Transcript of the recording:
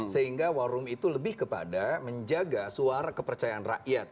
sehingga war room itu lebih kepada menjaga suara kepercayaan rakyat